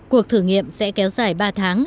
cuộc thử nghiệm sẽ kéo dài ba tháng